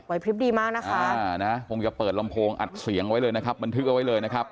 วัยพฤษดีมากนะคะนะผมจะเปิดลำโพงอัดเสียงไว้เลยนะครับ